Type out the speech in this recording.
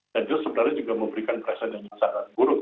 itu sebenarnya juga memberikan perasaan yang sangat buruk